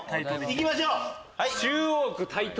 行きましょう！